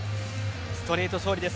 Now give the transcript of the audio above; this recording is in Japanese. ストレート勝利です。